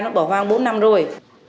nó bỏ hoang bốn năm rồi